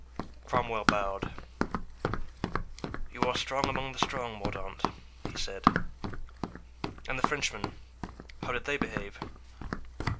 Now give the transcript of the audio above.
Cromwell bowed. "You are strong among the strong, Mordaunt," he said; "and the Frenchmen, how did they behave?"